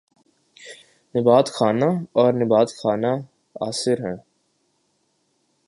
نبات خانہ اور نبات خانہ اثر ہیں